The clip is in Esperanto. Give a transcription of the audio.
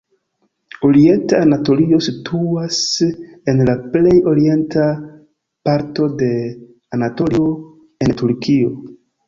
Orienta Anatolio situas en la plej orienta parto de Anatolio en Turkio.